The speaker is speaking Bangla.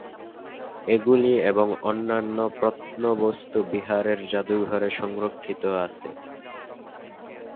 এগুলি এবং অন্যান্য প্রত্নবস্তু বিহারের জাদুঘরে সংরক্ষিত আছে।